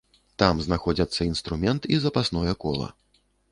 Там знаходзяцца інструмент і запасное кола.